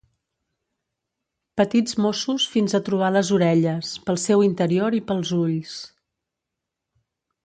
Petits mossos fins a trobar les orelles, pel seu interior i pels ulls...